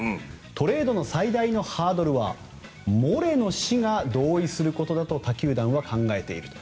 トレードの最大のハードルはモレノ氏が同意することだと他球団は考えていると。